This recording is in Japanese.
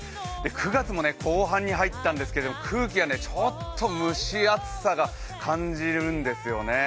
９月も後半に入ったんですけれども、空気がちょっと蒸し暑さを感じるんですよね。